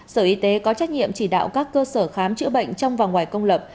sở y tế có trách nhiệm chỉ đạo các cơ sở khám chữa bệnh trong và ngoài công lập